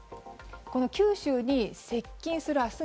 この九州に接近する明日